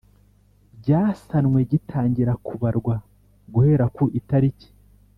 byasanwe gitangira kubarwa guhera ku itariki